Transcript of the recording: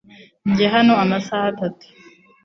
Njye hano amasaha atatu .